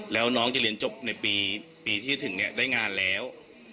แล้วน้องจะเรียนจบในปีที่ถึงได้งานแล้ว